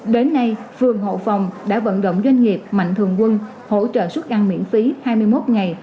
đến nay phường hậu phòng đã vận động doanh nghiệp mạnh thường quân hỗ trợ xuất ăn miễn phí hai mươi một ngày